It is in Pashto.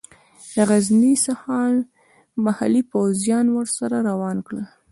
د غزني څخه محلي پوځیان ورسره روان کړل.